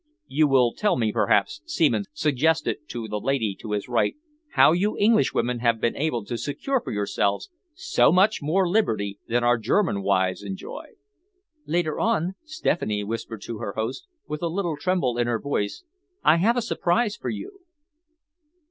"You will tell me, perhaps," Seaman suggested to the lady to his right, "how you English women have been able to secure for yourselves so much more liberty than our German wives enjoy?" "Later on," Stephanie whispered to her host, with a little tremble in her voice, "I have a surprise for you."